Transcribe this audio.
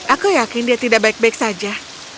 aku yakin dia tidak baik baik saja